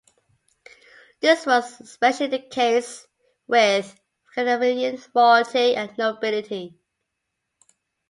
This was especially the case with Scandinavian royalty and nobility.